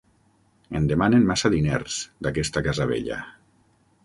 En demanen massa diners, d'aquesta casa vella.